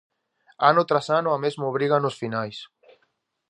Ano tras ano a mesma obriga nos finais.